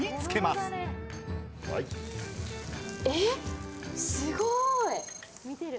すごい！